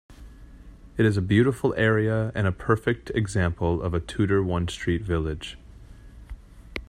It is a beautiful area and a perfect example of a Tudor one-street village.